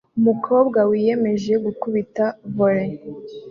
umukobwa wiyemeje gukubita volley